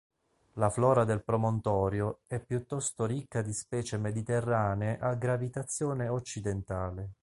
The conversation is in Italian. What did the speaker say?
La flora del promontorio è piuttosto ricca di specie mediterranee a gravitazione occidentale.